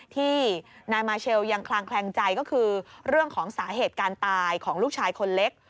ที่นายมาเชลยังคลางแคลงใจก็คือเรื่องของสาเหตุการตายของลูกชายคนเล็ก